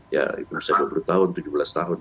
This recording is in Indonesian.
ya itu bisa dua puluh tahun tujuh belas tahun